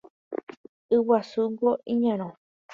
Y guasúngo iñarõ